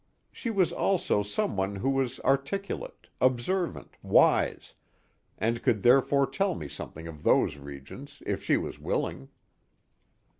She was also someone who was articulate, observant, wise, and could therefore tell me something of those regions, if she was willing.